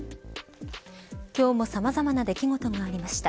今日もさまざま出来事がありました。